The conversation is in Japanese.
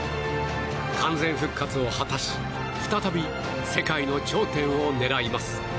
完全復活を果たし再び世界の頂点を狙います。